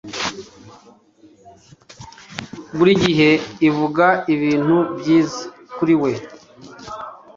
buri gihe avuga ibintu byiza kuri we